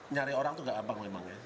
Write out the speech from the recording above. nyari orang itu gak abang memang ya